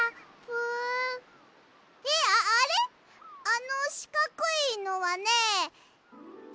あのしかくいのはねえっとね。